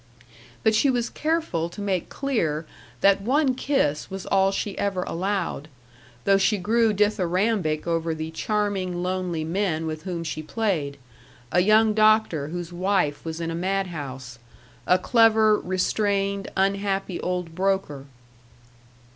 But she was careful to make clear that one kiss was all she ever allowed, though she grew dithyrambic over the charming, lonely men with whom she played a young doctor whose wife was in a madhouse; a clever, restrained, unhappy old broker.